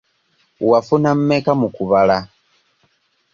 Wafuna mmeka mu kubala?